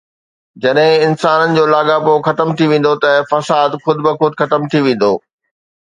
جڏهن انسانن جو لاڳاپو ختم ٿي ويندو ته فساد خود بخود ختم ٿي ويندو